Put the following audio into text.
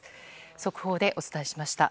速報でお伝えしました。